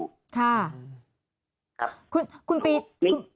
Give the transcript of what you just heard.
ค่ะคุณปีชาคุณคุณเพียกสุดนี้